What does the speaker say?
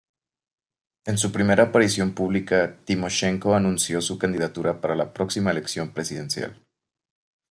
En su primera aparición pública Timoshenko anunció su candidatura para la próxima elección presidencial.